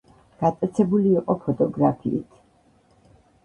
გატაცებული იყო ფოტოგრაფიით.